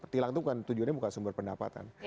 tilang itu kan tujuannya bukan sumber pendapatan